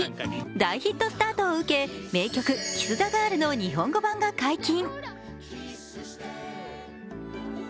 大ヒットスタートを受け、名曲「キス・ザ・ガール」の日本語版が解禁。